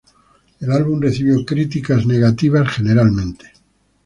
El álbum recibió críticas negativas generalmente.